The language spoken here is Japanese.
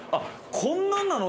こんなんなの？